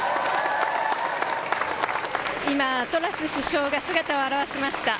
今、トラス首相が姿を現しました。